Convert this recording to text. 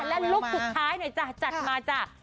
แล้วลุคสุดท้ายจากมาจาก